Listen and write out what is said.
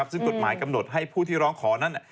ซึ่งกฎหมายกำหนดให้ผู้ที่ร้องขอนั้น